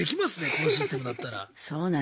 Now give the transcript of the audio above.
このシステムだったら。